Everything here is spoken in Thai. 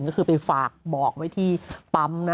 ก็คือไปฝากบอกไว้ที่ปั๊มนะ